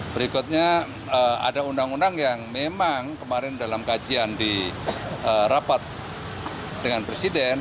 berikutnya ada undang undang yang memang kemarin dalam kajian di rapat dengan presiden